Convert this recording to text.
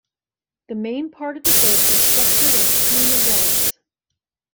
The main part of the book is structured as two novellas.